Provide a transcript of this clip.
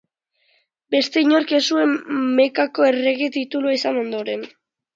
Beste inork ez zuen Mekako errege titulua izan ondoren.